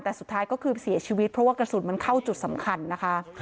แต่สุดท้ายก็คือเสียชีวิตเพราะว่ากระสุนมันเข้าจุดสำคัญนะคะ